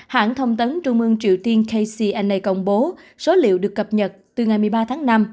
hãng thông tấn trung ương triều tiên kcna công bố số liệu được cập nhật từ ngày một mươi ba tháng năm